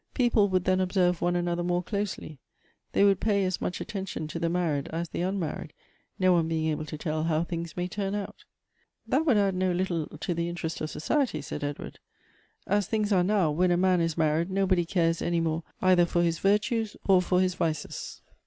People would then observe one another more closely ; they would pay as much attention to the married as the unmarried, no one being able to tell how things may turn out." " That would add no little to the interest of society," said Edward. " As things are now, when a man is married nobody cares any more either for his virtues or for his vices."